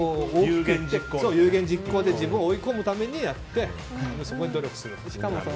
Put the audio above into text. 有言実行で自分を追い込むためにやって努力するっていう。